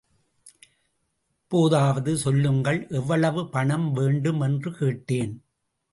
இப்போதாவது சொல்லுங்கள் எவ்வளவு பணம் வேண்டும் என்று கேட்டேன்.